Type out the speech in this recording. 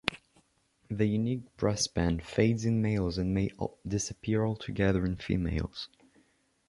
The unique breastband fades in males and may disappear altogether in females.